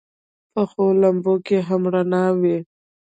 پخو لمبو کې هم رڼا وي